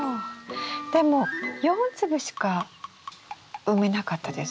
でも４粒しか埋めなかったですよね。